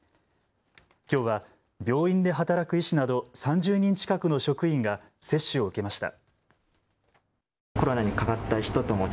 きょうは病院で働く医師など３０人近くの職員が接種を受けました。